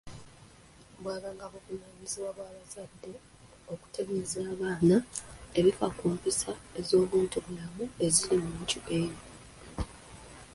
Bwabanga buvunaanyizibwa bwa bazadde okutegeeza abaana ebifa ku empisa ez’obuntubulamu eziri mu nju eyo.